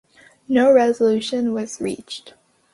No resolution was reached.